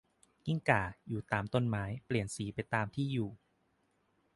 กิ้งก่า อยู่ตามต้นไม้ เปลี่ยนสีไปตามที่อยู่